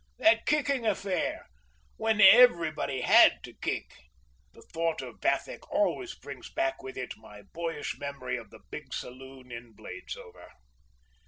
That kicking affair! When everybody had to kick! The thought of "Vathek" always brings back with it my boyish memory of the big saloon at Bladesover.